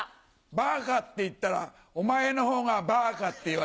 「バカ」って言ったら「お前のほうがバカ」って言われた。